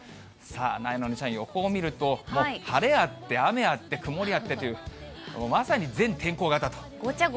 なえなのちゃん、予報を見ると、もう晴れあって雨あって曇りあってという、まさに全天候型と。